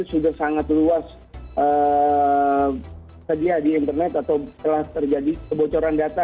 sudah sangat luas sedia di internet atau telah terjadi kebocoran data